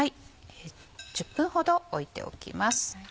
１０分ほどおいておきます。